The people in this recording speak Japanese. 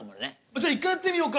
じゃあ一回やってみようか？